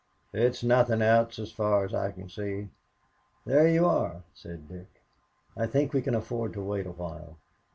"It's nothing else as far as I can see." "There you are," said Dick. "I think we can afford to wait awhile.